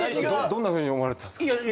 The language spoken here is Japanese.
どんなふうに思われてたんすか？